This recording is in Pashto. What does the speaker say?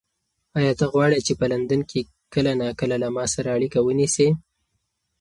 ایا ته غواړې چې په لندن کې کله ناکله له ما سره اړیکه ونیسې؟